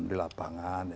di lapangan ya